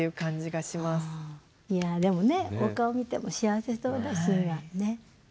いやでもねお顔見ても幸せそうだし今ね。